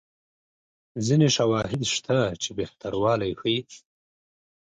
ځیني شواهد شته چې بهتروالی ښيي.